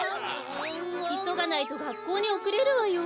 いそがないとがっこうにおくれるわよ。